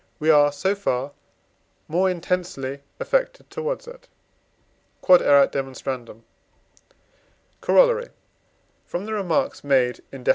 we are, so far, more intensely affected towards it. Q.E.D. Corollary. From the remarks made in Def.